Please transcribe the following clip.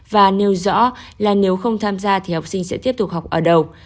và nêu rõ là nếu không tham gia thì học sinh sẽ tiếp tục học ở đầu